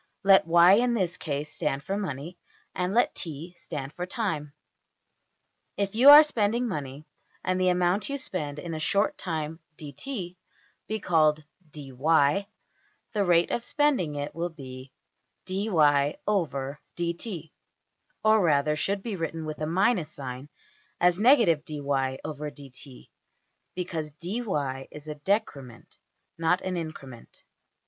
Let $y$ in this case stand for money, and let $t$ stand for time. If you are spending money, and the amount you spend in a short time~$dt$ be called~$dy$, the \emph{rate} of spending it will be $\dfrac{dy}{dt}$, or rather, should be written with a minus sign, as $ \dfrac{dy}{dt}$, because $dy$ is a \emph{decrement}, not an increment.